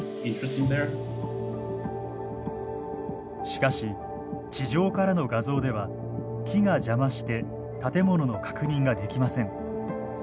しかし地上からの画像では木が邪魔して建物の確認ができません。